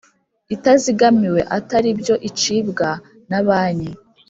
itazigamiwe atari byo icibwa na banki